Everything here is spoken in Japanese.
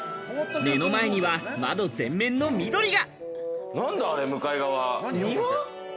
目の前には窓全面の緑が。